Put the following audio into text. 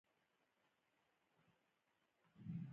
که مزاحمان داخل شي، شړل کېږي.